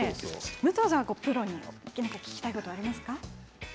武藤さん、プロに聞きたいことはありますか？